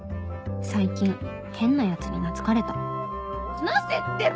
最近変なヤツに懐かれた離せってば！